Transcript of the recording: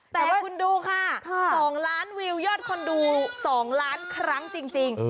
แต่คุณดูค่ะ๒ล้านวิวยอดคนดู๒ล้านครั้งจริง